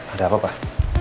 ada apa pak